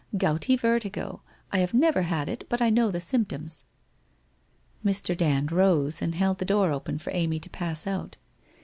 Gouty vertigo! I have never had it, but I know the symptoms/ Mr. Dand rose and held the door open for Amy to pass out.